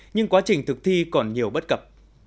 nhưng quá trình thực thi còn nhiều bất cập